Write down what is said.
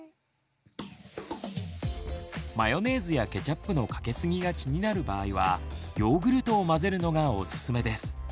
マヨネーズやケチャップのかけすぎが気になる場合はヨーグルトを混ぜるのがおすすめです。